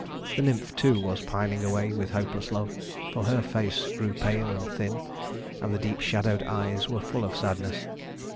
The nymph, too, was pining away with hopeless love, for her face grew pale and thin, and the deep shadowed eyes were full of sadness.